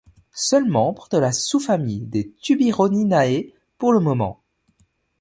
Seule membre de la sous-famille des Tiburoniinae pour le moment.